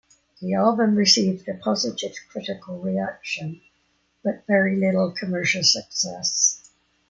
The album received a positive critical reaction but very little commercial success.